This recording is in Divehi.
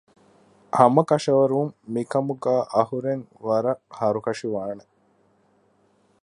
ހަމަކަށަވަރުން މިކަމުގައި އަހުރެން ވަރަށް ހަރުކަށިވާނެ